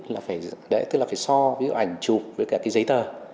là phải so với ảnh chụp với cả cái giấy tờ